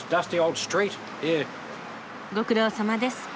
ご苦労さまです。